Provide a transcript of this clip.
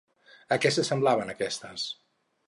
A què s'assemblaven aquestes?